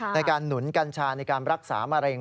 หนุนกัญชาในการรักษามะเร็ง